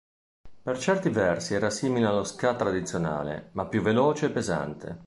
Per certi versi era simile allo ska tradizionale, ma più veloce e pesante.